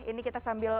ini kita sambil